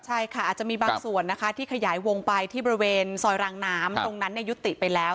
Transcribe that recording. ใช่ค่ะอาจจะมีบางส่วนนะคะที่ขยายวงไปที่บริเวณซอยรางน้ำตรงนั้นยุติไปแล้ว